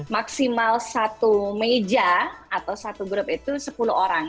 maksimal satu meja atau satu grup itu sepuluh orang